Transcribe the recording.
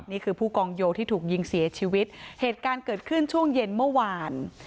ผู้กองโยที่ถูกยิงเสียชีวิตเหตุการณ์เกิดขึ้นช่วงเย็นเมื่อวาน